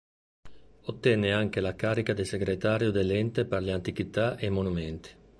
Ottenne anche la carica di segretario dell'Ente per le Antichità e i Monumenti.